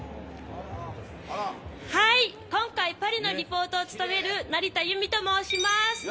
今回、パリのリポートを務める成田結美と申します。